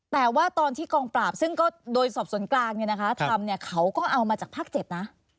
แต่ว่าตอนที่กองปราบซึ่งก็โดยสอบสวนกลางเนี่ยนะคะทำเนี่ยเขาก็เอามาจากภาค๗นะ